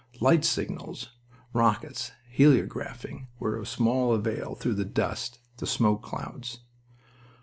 Light signals, rockets, heliographing, were of small avail through the dust and smoke clouds.